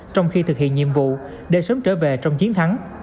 trong khi thực hiện nhiệm vụ để sớm trở về trong chiến thắng